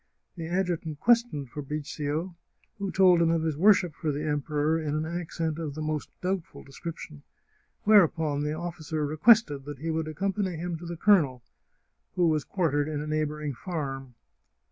The adjutant questioned Fabrizio, who told him of his worship for the Emperor in an accent of the most doubtful description, whereupon the officer requested that he would accompany him to the colonel, who was quar tered in a neighbouring farm.